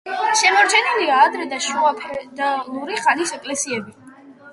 შემორჩენილია ადრე და შუაფეოდალური ხანის ეკლესიები.